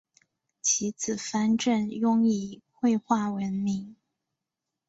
其子潘振镛以绘画闻名。